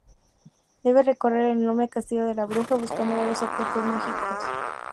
Debe recorrer el enorme castillo de la bruja buscando varios objetos mágicos.